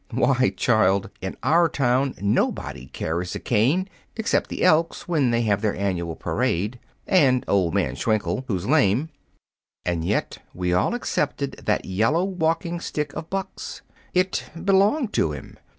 Why, child, in our town, nobody carries a cane except the Elks when they have their annual parade, and old man Schwenkel, who's lame. And yet we all accepted that yellow walking stick of Buck's. It belonged to him.